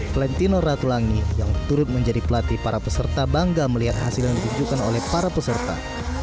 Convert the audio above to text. valentino ratulangi yang turut menjadi pelatih para peserta bangga melihat hasil yang ditunjukkan oleh para peserta